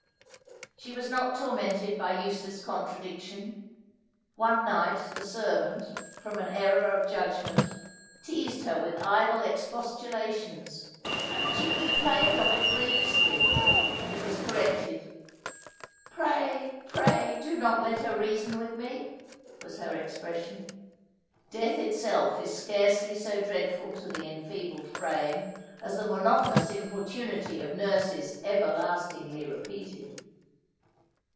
She was not tormented by useless contradiction. One night the servant, from an error in judgment, teazed her with idle expostulations, but she complained of it grievously, and it was corrected. "Pray, pray, do not let her reason with me," was her expression. Death itself is scarcely so dreadful to the enfeebled frame, as the monotonous importunity of nurses ever lastingly repeated.